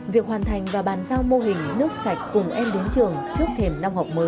việc hoàn thành và bàn giao mô hình nước sạch cùng em đến trường trước thềm năm học mới